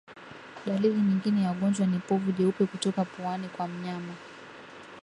Dalili nyingine ya ugonjwa ni povu jeupe kutoka puani kwa mnyama